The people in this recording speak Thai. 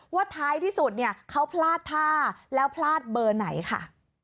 ว่าท้ายที่สุดเนี่ยเขาพลาดท่าแล้วพลาดเบอร์ไหนค่ะ